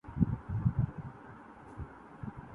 ہم وہاں ہیں جہاں سے ہم کو بھی